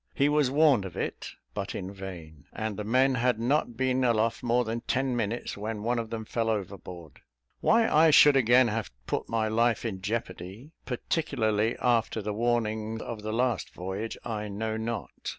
He was warned of it, but in vain; and the men had not been aloft more than ten minutes, when one of them fell overboard. Why I should again have put my life in jeopardy, particularly after the warning of the last voyage, I know not.